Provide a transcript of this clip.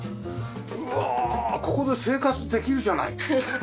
うわここで生活できるじゃない。